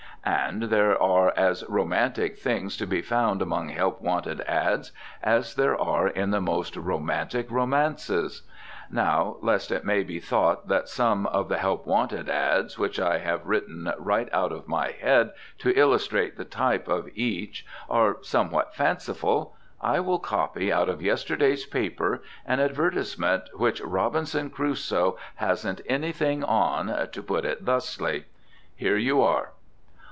And there are as romantic things to be found among help wanted "ads" as there are in the most romantic romances. Now, lest it may be thought that some of the help wanted "ads" which I have written right out of my head to illustrate the type of each are somewhat fanciful, I will copy out of yesterday's paper an advertisement which "Robinson Crusoe" hasn't anything on, to put it thusly. Here you are.